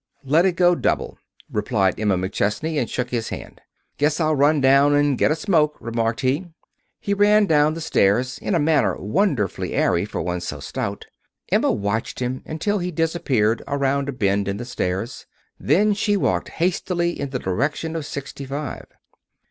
"Let it go double," replied Emma McChesney, and shook his hand. "Guess I'll run down and get a smoke," remarked he. He ran down the stairs in a manner wonderfully airy for one so stout. Emma watched him until he disappeared around a bend in the stairs. Then she walked hastily in the direction of sixty five.